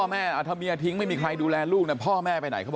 แล้วพ่อแม่ลงสาวไม่มีใครดูแลลูก